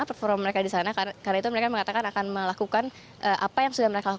performa mereka di sana karena itu mereka mengatakan akan melakukan apa yang sudah mereka lakukan